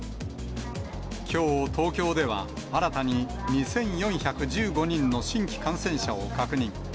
きょう、東京では新たに２４１５人の新規感染者を確認。